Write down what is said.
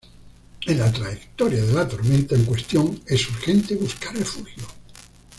En la trayectoria de la tormenta en cuestión es urgente buscar refugio.